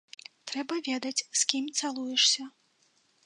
Трэба ведаць, з кім цалуешся.